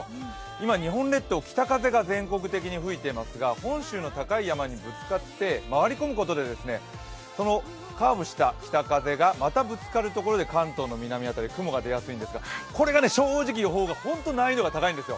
今、日本列島北風が全国的に吹いているんですが本州の高い山にぶつかって回り込むことでカーブした北風がまたぶつかる所で関東の南辺り、雲が出やすいんですがこれが正直、予報が本当難易度が高いんですよ。